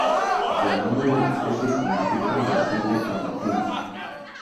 El nombre de la especie significa "abrasivo" en latín.